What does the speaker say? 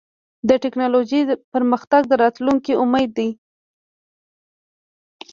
د ټکنالوجۍ پرمختګ د راتلونکي امید دی.